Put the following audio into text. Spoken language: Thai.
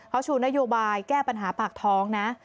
เขาชูนโยบายแก้ปัญหาปากท้องนะ